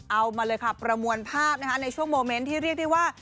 เอามาเลยค่ะประมวลภาพนะคะในช่วงโมเมนต์ที่เรียกได้ว่า